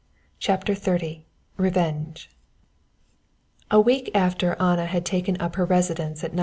CHAPTER XXX REVENGE A week after Anna had taken up her residence at No.